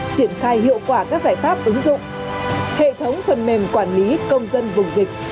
triển khai hiệu quả các giải pháp ứng dụng hệ thống phần mềm quản lý công dân vùng dịch